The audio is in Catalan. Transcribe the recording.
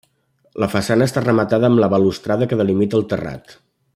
La façana està rematada amb la balustrada que delimita el terrat.